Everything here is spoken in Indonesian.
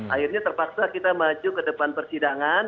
akhirnya terpaksa kita maju ke depan persidangan